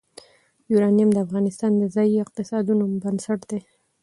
یورانیم د افغانستان د ځایي اقتصادونو بنسټ دی.